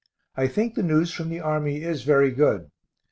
I think the news from the Army is very good.